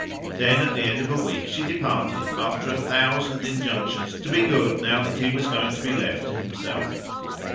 Then at the end of a week she departed, after a thousand injunctions to be good now that he was going to be left to himself.